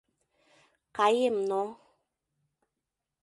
Каем но...